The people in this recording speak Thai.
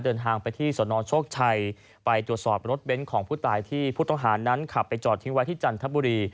เดินทางไปที่สนโชคชัยไปตรวจสอบรถเบ้นของผู้ตายที่ผู้ต้องหานั้นขับไปจอดทิ้งไว้ที่จันทบุรี